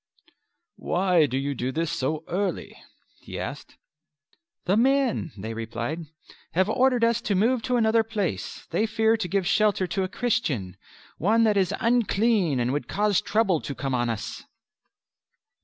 "Why do you do this so early?" he asked. "The men," they replied, "have ordered us to move to another place; they fear to give shelter to a Christian one that is unclean and would cause trouble to come on us."